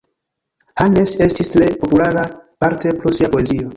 Hannes estis tre populara, parte pro sia poezio.